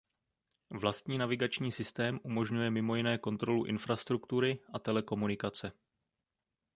Vlastní navigační systém umožňuje mimo jiné kontrolu infrastruktury a telekomunikace.